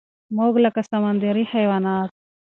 مونږ لکه سمندري حيوانات